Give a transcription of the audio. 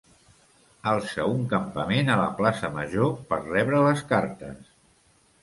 Alça un campament a la Plaça Major per rebre les cartes.